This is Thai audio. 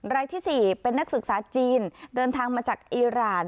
รายที่๔เป็นนักศึกษาจีนเดินทางมาจากอีราน